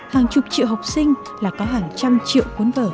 hàng chục triệu học sinh là có hàng trăm triệu cuốn vở